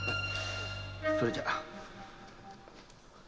それじゃ。